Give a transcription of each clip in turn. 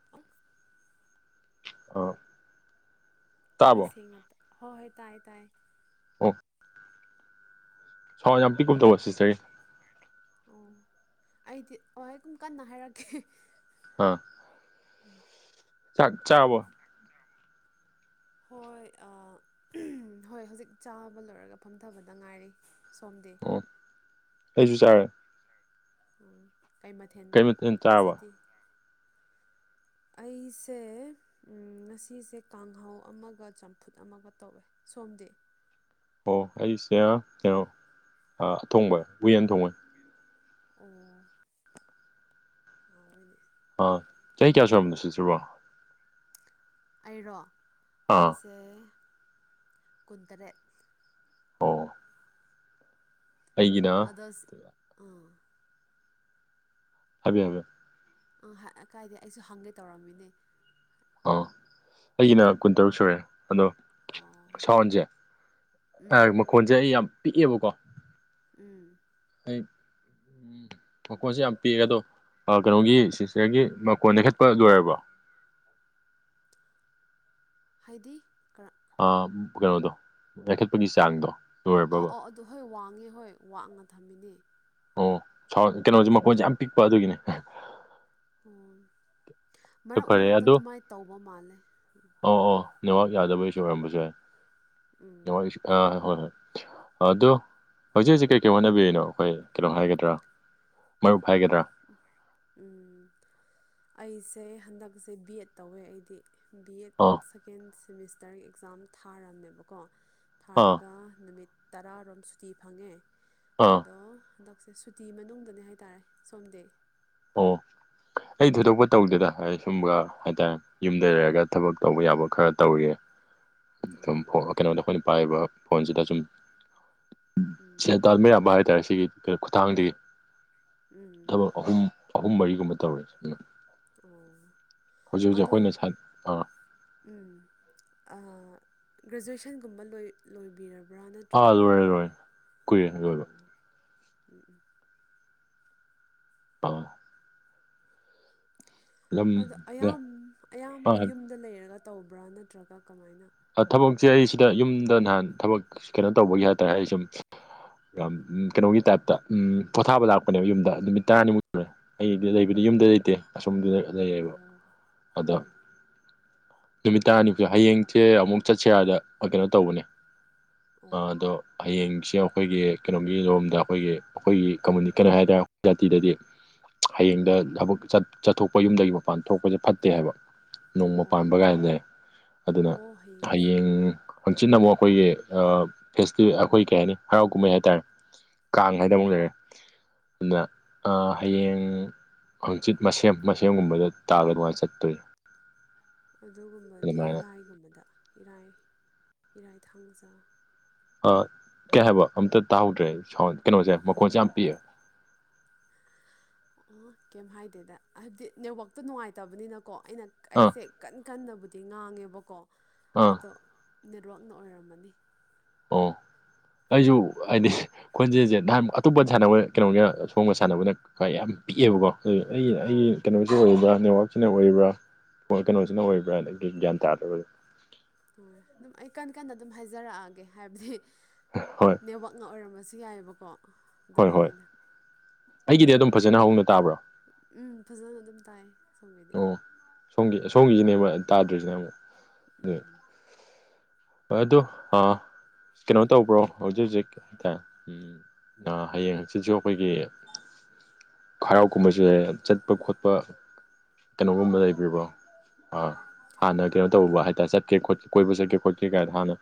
[inaudible] ꯑꯣ ꯍꯣꯏ ꯁꯦꯡꯅ ꯍꯣꯏ ꯍꯣꯏ ꯇꯥꯏ ꯇꯥꯏ ꯑꯣꯐ ꯁꯥꯎꯏ ꯌꯥꯝ ꯄꯤꯛꯀꯨꯝ ꯇꯧꯕ ꯁꯤꯠꯆꯔꯤ ꯑꯣ ꯑꯩꯗꯤ ꯑꯣ ꯑꯩ ꯀꯨꯝ ꯀꯟꯅ ꯍꯥꯏꯔꯛꯀꯦ ꯍ ꯎꯝ ꯆꯥꯛ ꯆꯥꯕꯣ ꯍꯣꯏ ꯑ ꯍꯣꯏ ꯍꯧꯖꯤꯛ ꯆꯥꯕ ꯂꯣꯏꯔꯒ ꯐꯝꯊꯕꯗ ꯉꯥꯏꯔꯤ ꯁꯣꯝꯗꯤ ꯑꯣ ꯑꯩꯁꯨ ꯆꯥꯔꯦ ꯑꯣ ꯀꯩ ꯃꯊꯦꯜ ꯀꯩ ꯆꯥꯔꯕ ꯉꯁꯤꯗꯤ ꯑꯩꯁꯦ ꯎꯝ ꯉꯁꯤꯁꯦ ꯀꯥꯡꯍꯧ ꯑꯃꯒ ꯆꯝꯐꯨꯠ ꯑꯃꯒ ꯇꯧꯋꯦ ꯁꯣꯝꯗꯤ ꯑꯣ ꯑꯩꯁꯦ ꯀꯩꯅꯣ ꯑꯊꯣꯡꯕ ꯍꯨꯌꯦꯟ ꯊꯣꯡꯕꯣꯏ ꯑꯣ ꯍꯣꯏꯅꯦ ꯑꯥ ꯆꯍꯤ ꯀꯌꯥ ꯁꯨꯝꯕꯅꯣ ꯁꯤꯠꯇ꯭ꯔꯤꯕꯣ ꯑꯩꯔꯣ ꯑꯥ ꯑꯩꯁꯦ ꯀꯨꯟꯇꯔꯦꯠ ꯑꯣ ꯑꯩꯩꯒꯤꯗ ꯑꯗꯁ ꯑꯥ ꯍꯥꯏꯕꯤ ꯍꯥꯏꯝꯌ ꯑ ꯀꯥꯏꯗꯦ ꯑꯩꯁꯨ ꯍꯪꯒꯦ ꯇꯧꯔꯝꯃꯤꯅꯦ ꯑꯥ ꯑꯩꯒꯤꯅ ꯀꯨꯟꯇꯔꯨꯛ ꯁꯨꯔꯦ ꯑꯗꯣ ꯑꯣ ꯁꯥꯎꯟꯁꯦ ꯎꯝ ꯃꯈꯣꯟꯁꯦ ꯑꯩ ꯌꯥꯝ ꯄꯤꯛꯑꯦꯕꯀꯣ ꯎꯝ ꯍ ꯃꯀꯣꯟꯁꯦ ꯌꯥꯝ ꯄꯤꯛꯑꯦ ꯑꯗꯣ ꯀꯩꯅꯣꯒꯤ ꯁꯤꯁꯇꯔꯒꯤ ꯃꯀꯣꯟꯗ ꯈꯦꯠꯄ ꯂꯣꯏꯔꯕ꯭ꯔꯣ ꯍꯥꯏꯗꯤ ꯀꯔ ꯀꯩꯅꯣꯗꯣ ꯄꯈꯠꯄꯒꯤ ꯆꯥꯡꯗꯣ ꯑꯥꯎ ꯂꯣꯏꯔꯕꯕ ꯑꯥꯎ ꯑꯗꯨ ꯍꯣꯏ ꯋꯥꯡꯉꯦ ꯍꯣꯏ ꯋꯥꯡꯅ ꯊꯝꯃꯤꯅꯦ ꯑꯣ ꯀꯩꯅꯣꯁꯦ ꯃꯈꯣꯟꯁꯦ ꯌꯥꯝ ꯄꯤꯛꯄ ꯑꯗꯨꯒꯤꯅꯦ ꯑꯣ ꯍꯣꯏ ꯃꯔꯛ ꯐꯔꯦ ꯃꯔꯛꯇ ꯑꯗꯣ ꯑꯗꯨꯃꯥꯏꯅ ꯇꯧꯕ ꯃꯥꯜꯂꯦ ꯑꯣ ꯑꯣ ꯅꯦꯋꯥꯛ ꯌꯥꯗꯕꯩꯁꯨ ꯑꯣꯏꯔꯝꯕ ꯌꯥꯢ ꯎꯝ ꯅꯦꯋꯥꯛ ꯏꯁꯨ ꯑꯥꯣꯏ ꯍꯣꯏ ꯍꯣꯏ ꯑꯗꯣ ꯍꯧꯖꯤꯛ ꯍꯧꯖꯤꯛ ꯀꯩ ꯀꯩ ꯍꯣꯠꯅꯕꯤꯔꯤꯅꯣ ꯑꯩꯈꯣꯏ ꯀꯩꯅꯣ ꯍꯥꯏꯒꯗ꯭ꯔꯥ ꯃꯔꯨꯞ ꯍꯥꯏꯒꯗ꯭ꯔꯥ ꯎꯝ ꯑꯩꯁꯦ ꯍꯟꯗꯛꯁꯦ ꯕꯤ ꯑꯦꯠ ꯇꯧꯋꯦ ꯑꯩꯗꯤ ꯕꯤ ꯑꯥ ꯑꯦꯠ ꯁꯦꯀꯦꯟ ꯁꯦꯃꯤꯁꯇꯔꯒꯤ ꯑꯦꯛꯖꯥꯝ ꯊꯥꯔꯝꯃꯦꯕꯀꯣ ꯑꯥ ꯊꯥꯔꯒ ꯅꯨꯃꯤꯠ ꯇꯔꯥꯔꯣꯝ ꯁꯨꯇꯤ ꯐꯪꯉꯦ ꯑꯥ ꯑꯗꯣ ꯍꯟꯗꯛꯁꯦ ꯁꯨꯇꯤ ꯃꯅꯨꯡꯗꯅꯦ ꯍꯥꯏꯇꯥꯔꯦ ꯁꯣꯝꯗ ꯑꯣ ꯑꯩ ꯊꯣꯏꯗꯣꯛꯄ ꯇꯧꯗꯦꯗ ꯁꯨꯝꯒ ꯍꯥꯏꯇꯥꯔꯦꯅꯦ ꯌꯨꯝꯗ ꯂꯩꯔꯒ ꯊꯕꯛ ꯇꯧꯕ ꯌꯥꯕ ꯈꯔ ꯇꯧꯔꯤꯌꯦ ꯑꯣ ꯀꯩꯅꯣꯗ ꯑꯩꯈꯣꯏꯅ ꯄꯥꯏꯕ ꯐꯣꯟꯁꯤꯗ ꯁꯨꯝ ꯎꯝ ꯁꯦꯟꯇꯥꯜ ꯃꯌꯥꯝꯕ ꯍꯥꯏꯇꯥꯔꯦ ꯁꯤꯒꯤ ꯀꯩꯅꯣ ꯈꯨꯊꯥꯡꯗꯒꯤ ꯎꯝ ꯑꯍꯨꯝ ꯑꯍꯨꯝ ꯃꯔꯤꯒꯨꯝꯕ ꯇꯧꯔꯦ ꯑꯣ ꯍꯧꯖꯤꯛ ꯍꯧꯖꯤꯛ ꯑꯗꯣ ꯑꯩꯈꯣꯏꯅ ꯎꯝ ꯒ꯭ꯔꯦꯖꯨꯋꯦꯁꯟꯒꯨꯝꯕ ꯂꯣꯏ ꯂꯣꯏꯕꯤꯔꯕ꯭ꯔꯥ ꯕ꯭ꯔꯥ ꯑꯥ ꯅꯠꯇ꯭ꯔꯒ ꯂꯣꯏꯔꯦ ꯂꯣꯏꯔꯦ ꯀꯨꯏꯔꯦ ꯑꯣ ꯂꯣꯏꯕ ꯎꯝ ꯎꯝ ꯑꯥꯎ ꯑꯗ ꯑꯌꯥꯝ ꯑꯌꯥꯝꯕ ꯌꯨꯝꯗ ꯂꯩꯔꯒ ꯇꯧꯕ꯭ꯔꯥ ꯅꯠꯇ꯭ꯔꯒ ꯀꯃꯥꯏꯅ ꯊꯕꯛꯁꯦ ꯑꯩ ꯁꯤꯗ ꯌꯨꯝꯗ ꯅꯍꯥꯟ ꯊꯕꯛ ꯀꯩꯅꯣ ꯇꯧꯕꯒꯤ ꯍꯥꯏꯇꯥꯔꯦ ꯑꯩ ꯁꯨꯝ ꯀꯩꯅꯣꯒꯤ ꯇꯥꯏꯞꯇ ꯎ ꯄꯣꯊꯥꯕ ꯂꯥꯛꯄꯅꯦꯕ ꯌꯨꯝꯗ ꯅꯨꯃꯤꯠ ꯇꯔꯥꯅꯤꯃꯨꯛ ꯑꯩꯗꯤ ꯂꯩꯕꯗꯤ ꯌꯨꯝꯗ ꯂꯩꯇꯦ ꯑꯁꯣꯝꯗ ꯂꯩꯌꯦꯕ ꯑꯣ ꯑꯗꯣ ꯑꯣ ꯅꯨꯃꯤꯠ ꯇꯔꯥꯅꯤ ꯍꯌꯦꯡ ꯁꯦ ꯑꯃꯨꯛ ꯆꯠꯁꯦ ꯍꯥꯏꯗ ꯀꯩꯅꯣ ꯇꯧꯕꯅꯦ ꯑꯣ ꯑꯗꯣ ꯍꯌꯦꯡꯁꯦ ꯑꯩꯈꯣꯏꯒꯤ ꯀꯩꯅꯣꯒꯤ ꯂꯣꯝꯗ ꯑꯩꯈꯣꯏꯒꯤ ꯑꯩꯈꯣꯏꯒꯤ ꯀꯝꯃꯨꯅꯤ ꯀꯩꯅꯣ ꯍꯥꯏꯇꯥꯔꯦ ꯑꯩꯈꯣꯏ ꯖꯥꯇꯤꯗꯗꯤ ꯑꯣ ꯑꯣ ꯍꯌꯦꯡꯗ ꯊꯕꯛ ꯆꯠꯊꯣꯛꯄ ꯌꯨꯝꯗꯒꯤ ꯃꯄꯥꯟ ꯊꯣꯛꯄꯁꯦ ꯐꯠꯇꯦ ꯍꯥꯏꯕ ꯅꯣꯡꯃ ꯄꯥꯟꯕ ꯑꯣ ꯀꯥꯏꯁꯦ ꯑꯗꯨꯅ ꯑꯣ ꯍꯌꯦꯡ ꯑꯣ ꯑꯣ ꯍꯪꯆꯤꯟꯅ ꯑꯃꯨꯛ ꯑꯩꯈꯣꯏꯒꯤ ꯐꯦꯁꯇꯤꯦꯜ ꯑꯩꯈꯣꯏ ꯀꯩ ꯍꯥꯏꯅꯤ ꯍꯔꯥꯎ ꯀꯨꯝꯍꯩ ꯍꯥꯏꯇꯥꯔꯦ ꯀꯥꯡ ꯍꯥꯏꯅ ꯑꯃꯨꯛ ꯂꯩꯔꯦ ꯑꯗꯨꯅ ꯑꯣ ꯍꯌꯦꯡ ꯍꯪꯆꯤꯠ ꯃꯁꯦꯝ ꯃꯁꯦꯝꯒꯨꯝꯕꯗ ꯇꯥꯒꯗꯨꯉꯥꯟꯅ ꯆꯠꯇꯣꯏ ꯑꯗꯨꯒꯨꯝꯕꯗꯤ ꯑꯗꯨꯃꯥꯏꯅ ꯏꯔꯥꯏꯒꯨꯝꯕꯗ ꯏꯔꯥꯏ ꯏꯔꯥꯏ ꯊꯥꯡꯖꯥ ꯀꯩ ꯍꯥꯏꯕ ꯑꯝꯇ ꯇꯥꯍꯧꯗ꯭ꯔꯦ ꯁꯥꯎꯟ ꯀꯩꯅꯣꯁꯦ ꯃꯈꯣꯟꯁꯦ ꯌꯥꯝ ꯄꯤꯌꯦ ꯑꯣ ꯀꯩꯝ ꯍꯥꯏꯗꯦꯗ ꯍꯥꯏꯕꯗꯤ ꯅꯦꯠꯋꯥꯛꯇꯣ ꯅꯨꯡꯉꯥꯏꯇꯕꯅꯤꯅ ꯀꯣ ꯑꯩꯅ ꯑꯥ ꯑꯩꯁꯦ ꯀꯟ ꯀꯟꯅꯕꯨꯗꯤ ꯉꯥꯡꯉꯦꯕꯀꯣ ꯑꯥ ꯑꯗꯣ ꯅꯦꯠꯋꯥꯛꯅ ꯑꯣꯏꯔꯝꯃꯅꯤ ꯑꯣ ꯑꯩꯁꯨ ꯎꯝ ꯍꯥꯏꯗꯤ ꯈꯣꯟꯖꯦꯜꯁꯦ ꯅꯍꯥꯟ ꯑꯇꯣꯞꯄ ꯁꯥꯟꯅꯕ ꯀꯩꯅꯣꯒ ꯁꯣꯡꯒ ꯁꯥꯟꯅꯕꯅ ꯈ ꯌꯥꯝ ꯄꯤꯛꯑꯦꯕꯀꯣ ꯍꯧ ꯑꯩꯒꯤ ꯑꯩꯒꯤ ꯑꯣ ꯀꯩꯅꯣꯁꯤ ꯑꯣꯏꯔꯤꯕ꯭ꯔꯥ ꯅꯦꯠꯋꯛꯁꯤꯅ ꯑꯣꯏꯔꯤꯕ꯭ꯔꯥ ꯀꯩꯅꯣꯁꯤꯅ ꯑꯣꯏꯕ꯭ꯔꯥ ꯎꯝ ꯑꯗꯒꯤ ꯑꯗꯨ ꯒ꯭ꯌꯥꯟ ꯇꯥꯗꯕꯗ ꯍꯣꯏ ꯑꯗꯨꯝ ꯑꯩ ꯀꯟꯅ ꯀꯟꯅ ꯑꯗꯨꯝ ꯍꯥꯏꯖꯔꯛꯑꯒꯦ ꯍꯥꯏꯕꯗꯤ ꯍꯣꯏ ꯅꯦꯠꯋꯥꯛꯅ ꯑꯣꯏꯔꯝꯕꯁꯨ ꯌꯥꯏꯑꯕꯀꯣ ꯍꯣꯏ ꯍꯣꯏ ꯑꯗꯨꯒꯤꯅꯤꯅ ꯑꯩꯒꯤꯗꯤ ꯑꯗꯨꯝ ꯐꯖꯅ ꯍꯧꯅ ꯇꯥꯕ꯭ꯔꯣ ꯎꯝ ꯐꯖꯅ ꯑꯗꯨꯝ ꯇꯥꯏ ꯁꯣꯝꯒꯤꯗꯤ ꯑꯣ ꯁꯣꯝꯒꯤ ꯁꯣꯝꯒꯤꯁꯤꯅꯦꯕ ꯇꯥꯗ꯭ꯔꯤꯁꯤꯅꯦ ꯑꯃꯨꯛ ꯎꯝ ꯍꯣꯏ ꯑꯗꯣ ꯀꯩꯅꯣ ꯇꯧꯕ꯭ꯔꯣ ꯍꯧꯖꯤꯛ ꯍꯧꯖꯤꯛ ꯑ ꯍꯌꯦꯡ ꯁꯤꯁꯨ ꯑꯩꯈꯣꯏꯒꯤ ꯍꯔꯥꯎ ꯀꯨꯝꯕꯁꯨ ꯌꯥꯏ ꯆꯠꯄ ꯈꯣꯠꯄ ꯀꯩꯅꯣꯒꯨꯝꯕ ꯂꯩꯕꯤꯕ꯭ꯔꯣ ꯑ ꯍꯥꯟꯅ ꯀꯩꯅꯣ ꯇꯧꯕ ꯍꯥꯏꯇꯥꯔꯦ ꯆꯠꯀꯦ ꯀꯣꯏꯕ ꯆꯠꯀꯦ ꯀꯩ ꯀꯥꯏꯗ ꯍꯥꯟꯅ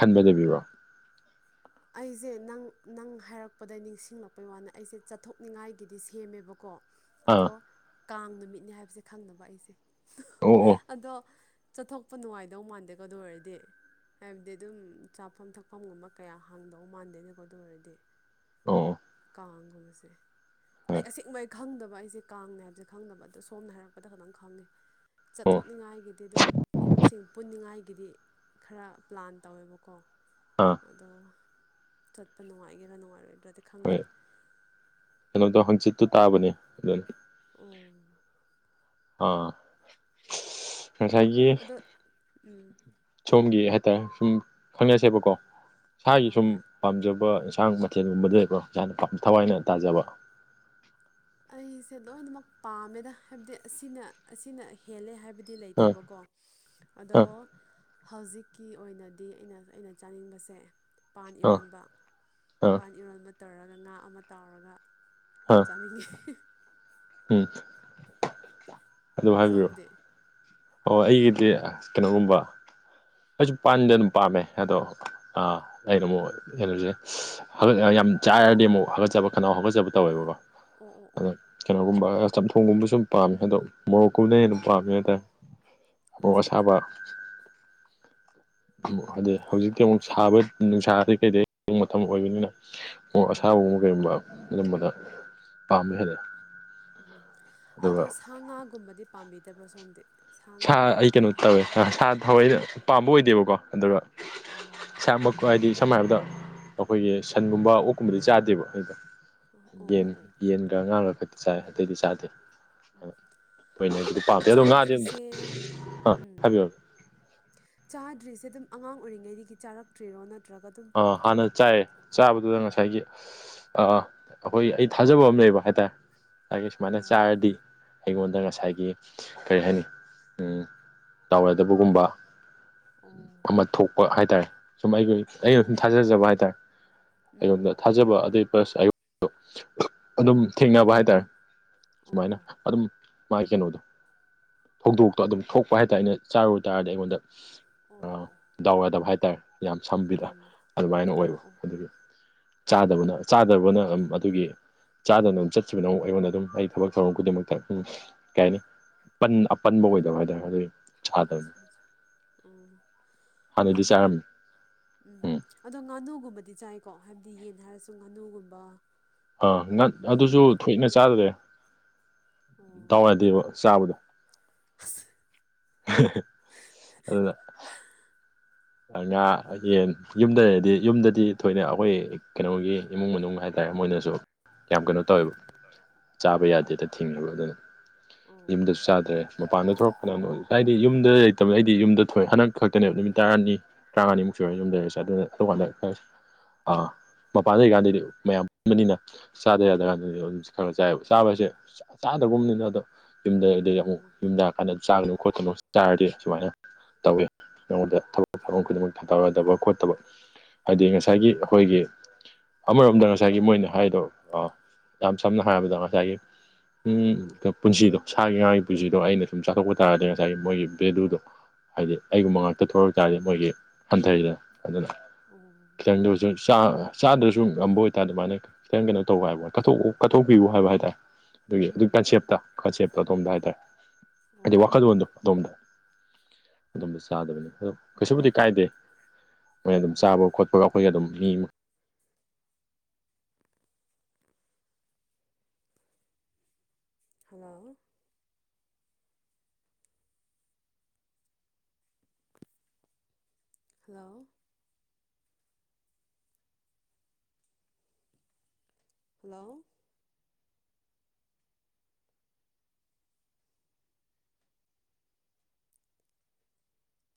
ꯈꯟꯕ ꯂꯩꯕꯤꯕꯔꯣ ꯑꯩꯁꯦ ꯅꯪ ꯅꯪ ꯍꯥꯏꯔꯛꯄꯗ ꯅꯤꯡꯁꯤꯡꯂꯛꯄꯩ ꯋꯥꯅꯤ ꯑꯩꯁꯦ ꯆꯠꯊꯣꯛꯅꯤꯡꯉꯥꯏꯒꯤꯗꯤ ꯁꯦꯝꯃꯦꯕꯀꯣ ꯑꯥ ꯑꯗꯣ ꯀꯥꯡ ꯅꯨꯃꯤꯠꯅꯦ ꯍꯥꯏꯕꯁꯦ ꯈꯪꯅꯕ ꯑꯩꯁꯦ ꯑꯣ ꯑꯣ ꯑꯗꯣ ꯆꯠꯊꯣꯛꯄ ꯅꯨꯡꯉꯥꯏꯗꯧ ꯃꯥꯟꯗꯦꯀꯣ ꯑꯗꯨ ꯑꯣꯏꯔꯗꯤ ꯍꯥꯏꯕꯗꯤ ꯑꯗꯨꯝ ꯆꯥꯐꯝ ꯊꯛꯐꯝꯒꯨꯝꯕ ꯀꯌꯥ ꯍꯥꯡꯗꯧ ꯃꯥꯟꯗꯦꯅꯦꯀꯣ ꯑꯗꯨ ꯑꯣꯏꯔꯗꯤ ꯑꯣ ꯀꯥꯡꯒꯨꯝꯕꯁꯦ ꯑꯩ ꯑꯣ ꯑꯁꯦꯡꯕ ꯑꯩ ꯈꯪꯗꯕ ꯑꯩꯁꯦ ꯀꯥꯡꯅꯦ ꯍꯥꯏꯕꯁꯦ ꯈꯪꯗꯅꯕ ꯑꯗꯣ ꯁꯣꯝꯅ ꯍꯥꯏꯔꯛꯄꯗ ꯈꯇꯪ ꯈꯪꯉꯦ ꯑꯣ ꯆꯠꯊꯣꯛꯅꯤꯡꯉꯥꯏꯒꯤꯗꯤ ꯑꯗꯨꯝ ꯏꯔꯨꯞꯁꯤꯡ ꯄꯨꯅꯤꯡꯉꯥꯏꯒꯤꯗꯤ ꯈꯔ ꯄ꯭ꯂꯥꯟ ꯇꯧꯋꯦꯕꯀꯣ ꯑꯥ ꯑꯗꯣ ꯆꯠꯄ ꯅꯨꯡꯉꯥꯏꯒꯦꯔ ꯅꯨꯡꯉꯥꯏꯔꯣꯏꯗ꯭ꯔ ꯗꯤ ꯍꯣꯏ ꯀꯩꯅꯣꯗꯣ ꯍꯪꯆꯤꯠꯇꯨ ꯇꯥꯕꯅꯦ ꯑꯗꯨꯅ ꯎꯝ ꯑꯥ ꯉꯁꯥꯏꯒꯤ ꯑꯗꯣ ꯎꯝ ꯁꯣꯝꯒꯤ ꯍꯥꯏꯇꯥꯔꯦ ꯁꯨꯝ ꯈꯪꯅꯁꯦꯕꯀꯣ ꯏꯁꯥꯒꯤ ꯍꯣꯏ ꯁꯨꯝ ꯍꯣꯏ ꯄꯥꯝꯖꯕ ꯏꯟꯁꯥꯡ ꯃꯊꯦꯜꯒꯨꯝꯕꯗ ꯂꯩꯕꯔꯣ ꯌꯥꯝꯅꯥ ꯊꯋꯥꯏꯅ ꯇꯥꯖꯕ ꯑꯩꯁꯦ ꯂꯣꯏꯅꯃꯛ ꯄꯥꯝꯃꯦꯗ ꯍꯥꯏꯕꯗꯤ ꯑꯁꯤꯅ ꯑꯁꯤꯅ ꯍꯦꯜꯂꯦ ꯍꯥꯏꯕꯗꯤ ꯗꯤ ꯑꯥ ꯂꯩꯇꯦꯕꯀꯣ ꯑꯗꯣ ꯑꯥ ꯍꯧꯖꯤꯛꯀꯤ ꯑꯣꯏꯅꯗꯤ ꯑꯩꯅ ꯑꯩꯅ ꯆꯥꯅꯤꯡꯕꯁꯦ ꯄꯥꯟ ꯑꯥ ꯏꯔꯣꯟꯕ ꯑꯥ ꯄꯥꯟ ꯏꯔꯣꯟꯕ ꯇꯧꯔꯒ ꯉꯥ ꯑꯃ ꯇꯥꯎꯔꯒ ꯑꯗꯨ ꯆꯥꯅꯤꯡꯉꯦ ꯍꯝ ꯑꯗꯨ ꯍꯥꯏꯕꯤꯌꯣ ꯁꯣꯝꯗꯤ ꯑꯣ ꯑꯩꯒꯤꯗꯤ ꯀꯩꯅꯣꯒꯨꯝꯕ ꯑꯩꯁꯨ ꯄꯥꯟꯗꯦ ꯑꯗꯨꯝ ꯄꯥꯝꯃꯦ ꯑꯗꯣ ꯑꯩꯅ ꯑꯃꯨꯛ ꯑꯦꯂꯔꯖꯤ ꯍꯒꯖ ꯌꯥꯝ ꯆꯥꯏꯔꯗꯤ ꯑꯃꯨꯛ ꯍꯥꯒꯠꯆꯕ ꯈꯟꯅꯥꯎ ꯍꯥꯒꯠꯆꯕ ꯇꯧꯋꯦꯕꯀꯣ ꯑꯣ ꯑꯣ ꯑꯣ ꯑꯗꯣ ꯀꯩꯅꯣꯒꯨꯝꯕ ꯆꯝꯊꯣꯡꯒꯨꯝꯕꯁꯨ ꯁꯨꯝ ꯄꯥꯝꯃꯦ ꯑꯗꯣ ꯃꯔꯣꯛ ꯀꯨꯅ ꯍꯦꯟꯅ ꯄꯥꯝꯃꯦ ꯎꯝ ꯍꯥꯏꯇꯥꯏ ꯃꯣꯔꯣꯛ ꯑꯠꯆꯥ ꯑꯠꯆꯥ ꯑꯁꯥꯕ ꯑꯗꯩ ꯍꯧꯖꯤꯛꯇꯤ ꯑꯃꯨꯛ ꯁꯥꯕ ꯅꯨꯡꯁꯥꯗꯩ ꯀꯩꯗꯩ ꯃꯇꯝ ꯑꯣꯏꯕꯅꯤꯅ ꯑꯣ ꯎꯝ ꯑꯁꯥꯕꯕ ꯀꯩꯒꯨꯝꯕ ꯑꯗꯨꯝꯕꯗ ꯄꯥꯝꯃꯦ ꯍꯥꯏ ꯎꯝ ꯑꯗꯣ ꯁꯥ ꯉꯥꯒꯨꯝꯕꯗꯤ ꯄꯥꯝꯕꯤꯗꯕ꯭ꯔꯣ ꯁꯣꯝꯗꯤ ꯁꯥ ꯑꯩ ꯀꯩꯅꯣ ꯇꯧꯋꯦ ꯁꯥ ꯊꯋꯥꯏ ꯄꯥꯝꯕ ꯑꯣꯏꯗꯦꯕꯀꯣ ꯑꯗꯨꯒ ꯑ ꯏꯁꯃꯛ ꯍꯥꯏꯗꯤ ꯁꯝꯅ ꯍꯥꯏꯔꯕꯗ ꯑꯩꯈꯣꯏꯒꯤ ꯁꯟꯒꯨꯝꯕ ꯑꯣꯛꯀꯨꯝꯕꯗꯤ ꯆꯥꯗꯦꯕ ꯑꯗꯨꯗ ꯑꯣ ꯑꯣ ꯑꯣ ꯌꯦꯟ ꯑꯣ ꯌꯦꯟꯒ ꯉꯥꯒ ꯈꯛꯇ ꯆꯥꯏ ꯑꯇꯩꯗꯤ ꯆꯥꯗꯦ ꯍꯣꯏꯅꯦꯗꯤ ꯄꯥꯇꯦ ꯑꯗꯣ ꯉꯥꯗꯤ ꯑꯗꯨꯝ ꯑꯦ ꯎꯝ ꯆꯥꯗ꯭ꯔꯤꯁꯦ ꯑꯗꯨꯝ ꯑꯉꯥꯡ ꯑꯣꯏꯔꯤꯉꯩꯗꯒꯤ ꯆꯥꯔꯛꯇ꯭ꯔꯤꯔꯣ ꯅꯠꯇ꯭ꯔꯒ ꯑꯗꯨꯝ ꯍꯥꯟꯅ ꯆꯥꯏꯑꯦ ꯆꯥꯕꯗꯨꯗ ꯉꯁꯥꯏꯒꯤ ꯑ ꯑꯩꯈꯣꯏ ꯑꯩ ꯊꯥꯖꯕ ꯑꯃ ꯂꯩꯕ ꯍꯥꯏꯇꯥꯔꯦ ꯑꯩꯒꯤ ꯁꯨꯃꯥꯏꯅ ꯑꯣ ꯆꯥꯔꯗꯤ ꯑꯩꯉꯣꯟꯗ ꯉꯁꯥꯏꯒꯤ ꯀꯔꯤ ꯍꯥꯏꯅꯤ ꯗꯥꯎ ꯌꯗꯕꯒꯨꯝꯕ ꯑꯣ ꯑꯃ ꯊꯣꯛꯄ ꯍꯥꯏꯇꯥꯔꯦ ꯁꯨꯝ ꯑꯩꯒꯤ ꯑꯣ ꯑꯩꯅ ꯑꯣ ꯁꯨꯝ ꯑꯣ ꯊꯥꯖꯖꯕ ꯍꯥꯏꯇꯥꯔꯦ ꯎꯝ ꯑꯩꯉꯣꯟꯗ ꯊꯥꯖꯕ ꯑꯗꯩ ꯄ꯭ꯂꯁ ꯑꯩꯉꯟꯗ ꯑꯗꯨꯝ ꯊꯦꯡꯅꯕ ꯍꯥꯏꯇꯥꯔꯦ ꯑꯣ ꯁꯨꯃꯥꯏꯅ ꯑꯣ ꯑꯗꯨꯝ ꯃꯥꯒꯤ ꯀꯩꯅꯣꯗꯣ ꯊꯧꯗꯣꯛꯇꯣ ꯑꯗꯨꯝ ꯊꯣꯛꯄ ꯍꯥꯏꯇꯥꯔꯦ ꯑꯩꯅ ꯆꯥꯔꯨꯕ ꯇꯥꯔꯗꯤ ꯑꯩꯉꯣꯟꯗ ꯑꯣ ꯑꯣ ꯑꯣ ꯥꯗꯥꯎ ꯌꯗꯕ ꯍꯥꯏꯇꯥꯔꯦ ꯌꯥꯝ ꯁꯝꯕꯤꯗ ꯎꯝ ꯑꯗꯨꯃꯥꯏꯅ ꯑꯣ ꯑꯣꯏꯕ ꯑꯣ ꯆꯥꯗꯕꯅ ꯆꯥꯗꯕꯅ ꯑꯗꯨꯒꯤ ꯆꯥꯗꯅ ꯑꯗꯨꯝ ꯆꯠꯈꯤꯕꯅꯣ ꯑꯩꯉꯣꯟꯗ ꯑꯗꯨꯝ ꯑꯩ ꯊꯕꯛ ꯊꯧꯔꯝ ꯈꯨꯗꯤꯡꯃꯛꯇ ꯎꯝ ꯀꯩ ꯍꯥꯏꯅꯤ ꯄꯟ ꯑꯄꯟꯕ ꯑꯣꯏꯗꯕ ꯍꯥꯏꯇꯥꯔꯦ ꯑꯗꯨꯗꯤ ꯑꯠꯆꯥ ꯑꯠꯆꯥ ꯑꯣ ꯍꯥꯟꯅꯗꯤ ꯑꯗꯣ ꯆꯥꯔꯝꯃꯤ ꯎꯝ ꯑꯗꯣ ꯉꯥꯅꯨꯒꯨꯝꯕꯗꯤ ꯆꯥꯏꯀꯣ ꯍꯥꯏꯕꯗꯤ ꯌꯦꯟ ꯍꯥꯏꯔꯁꯨ ꯉꯥꯅꯨꯒꯨꯝꯕ ꯑꯥ ꯉ ꯑꯗꯨꯁꯨ ꯌꯦꯟꯒꯤ ꯊꯣꯏꯅ ꯆꯥꯗ꯭ꯔꯦ ꯑꯣ ꯗꯥꯎ ꯌꯥꯗꯦꯕ ꯆꯥꯕꯗꯣ ꯑꯁ ꯑꯗꯨꯅ ꯉꯥ ꯌꯦꯟ ꯌꯨꯝꯗ ꯂꯩꯔꯗꯤ ꯌꯨꯝꯗꯗꯤ ꯊꯣꯏꯅ ꯑꯩꯈꯣꯏ ꯀꯩꯅꯣꯒꯤ ꯏꯃꯨꯡ ꯃꯅꯨꯡ ꯍꯥꯏꯇꯥꯔꯦ ꯃꯣꯏꯅꯁꯨ ꯌꯥꯝ ꯀꯩꯅꯣ ꯎꯝ ꯇꯧꯋꯦꯕ ꯆꯥꯕ ꯌꯥꯗꯦꯗ ꯊꯤꯡꯉꯦꯕ ꯑꯗꯨꯅ ꯑꯣ ꯌꯨꯝꯗꯁꯨ ꯆꯥꯗ꯭ꯔꯦ ꯃꯄꯥꯟꯗ ꯊꯣꯛꯂꯛꯄꯅ ꯑꯃ ꯑꯣꯏ ꯍꯥꯏꯗꯤ ꯌꯨꯝꯗ ꯂꯩꯇꯕꯅ ꯑꯩꯗꯤ ꯌꯨꯝꯗ ꯊꯣꯏ ꯍꯟꯗꯛ ꯈꯛꯇꯅꯦꯕ ꯅꯨꯃꯤꯠ ꯇꯔꯥꯅꯤ ꯇꯔꯥꯉꯥꯅꯤꯃꯨꯛ ꯁꯨꯔꯦ ꯌꯨꯝ ꯂꯩꯔꯤꯁꯦ ꯑꯗꯨꯅ ꯑꯗꯨꯀꯥꯟꯗ ꯑꯥ ꯃꯄꯥꯟꯗ ꯂꯩꯔꯤꯀꯥꯟꯗꯗꯤ ꯃꯌꯥꯝ ꯄꯨꯕꯅꯤꯅ ꯆꯥꯗ ꯌꯥ ꯑꯗꯨꯀ ꯑꯗꯨꯝ ꯈꯔ ꯈꯔ ꯆꯥꯏꯕ ꯆꯥꯕ ꯍꯥꯏꯁꯦ ꯆꯥꯗ꯭ꯔꯒꯨꯝꯕꯅꯤꯅ ꯑꯗꯣ ꯌꯨꯝꯗꯗꯤ ꯑꯃꯨꯛ ꯑꯣ ꯌꯨꯝꯗ ꯑꯍꯟꯅ ꯑꯗꯨꯅ ꯆꯥꯒꯅꯨ ꯈꯣꯠꯀꯅꯨ ꯆꯥꯔꯗꯤ ꯁꯨꯃꯥꯏꯅ ꯇꯧꯋꯤ ꯑꯩꯉꯣꯟꯗ ꯊꯕꯛ ꯊꯧꯔꯝ ꯈꯨꯗꯤꯡꯃꯛ ꯊꯥꯗꯥꯎ ꯌꯥꯗꯕ ꯈꯣꯠꯇꯕ ꯍꯥꯏꯗꯤ ꯉꯁꯥꯏꯒꯤ ꯎꯝ ꯑꯩꯈꯣꯏꯒꯤ ꯑꯃꯔꯣꯝꯗ ꯉꯁꯥꯏꯒꯤ ꯃꯣꯏꯅ ꯍꯥꯏꯗꯣ ꯑ ꯌꯥꯝ ꯁꯝꯅ ꯍꯥꯏꯔꯕꯗ ꯉꯁꯥꯏꯒꯤ ꯎ ꯄꯨꯟꯁꯤꯗꯣ ꯁꯥꯒꯤ ꯉꯥꯒꯤ ꯄꯨꯟꯁꯤꯗꯣ ꯑꯩꯅ ꯁꯨꯝ ꯆꯥꯊꯣꯛꯄ ꯇꯥꯔꯗꯤ ꯉꯁꯥꯏꯒꯤ ꯃꯣꯏꯒꯤ ꯚꯦꯂꯨꯗꯣ ꯍꯥꯏꯗꯤ ꯑꯩꯒꯨꯝꯕ ꯑꯣ ꯉꯥꯛꯇ ꯊꯣꯛꯂꯛ ꯇꯥꯔꯗꯤ ꯃꯣꯏꯒꯤ ꯍꯟꯊꯩꯗꯅ ꯑꯗꯨꯅ ꯑꯣ ꯈꯤꯇꯪꯗ ꯆꯥ ꯆꯥꯗ꯭ꯔꯁꯨ ꯉꯝꯕ ꯑꯣꯏꯇꯥꯔꯗꯤ ꯑꯗꯨꯃꯥꯏꯅ ꯈꯤꯇꯪ ꯀꯩꯅꯣ ꯇꯧ ꯍꯥꯏꯕ ꯀꯠꯊꯣꯛꯎ ꯀꯠꯊꯣꯛꯄꯤꯌꯨ ꯍꯥꯏꯕ ꯍꯥꯏꯇꯥꯔꯦ ꯑꯗꯨꯒꯤ ꯑꯗꯨꯒꯤ ꯎꯝ ꯎꯝ ꯀꯟꯁꯦꯞꯇ ꯀꯟꯁꯦꯞꯇꯣ ꯑꯗꯣꯝꯗ ꯍꯥꯏꯇꯥꯔꯦ ꯎꯝ ꯍꯥꯏꯗꯤ ꯑꯣ ꯋꯥꯈꯜꯂꯣꯟꯗꯣ ꯑꯗꯣꯝꯗ ꯑꯗꯨꯝꯕ ꯆꯥꯗꯕꯅꯤ ꯑꯗ ꯀꯩꯁꯨꯕꯨꯗꯤ ꯀꯥꯏꯗꯦ ꯃꯣꯏꯅ ꯑꯗꯨꯝ ꯎꯝ ꯆꯥꯕꯒ ꯈꯣꯠꯄꯒ ꯑꯩꯈꯣꯏꯒ ꯑꯗꯨꯝ ꯃꯤ ꯍꯜꯂꯣ ꯍꯜꯂꯣ ꯍꯜꯂꯣ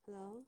ꯍꯜꯂꯣ